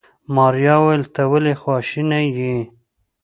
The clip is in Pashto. ماريا وويل ته ولې خواشيني يې.